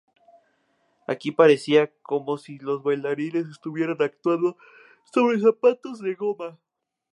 Aquí parecía como si los bailarines estuviesen actuando sobre zapatos de goma.